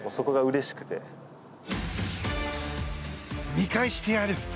見返してやる！